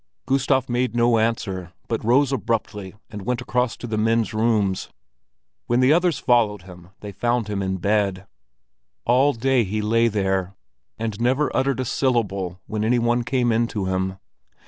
Gustav made no answer, but rose abruptly and went across to the men's rooms. When the others followed him, they found him in bed. All day he lay there and never uttered a syllable when any one came in to him.